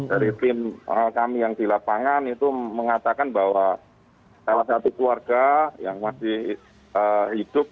dari tim kami yang di lapangan itu mengatakan bahwa salah satu keluarga yang masih hidup